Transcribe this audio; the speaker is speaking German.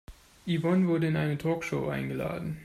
Yvonne wurde in eine Talkshow eingeladen.